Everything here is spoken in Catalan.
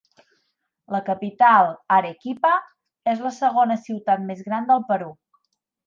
La capital, Arequipa, és la segona ciutat més gran del Perú.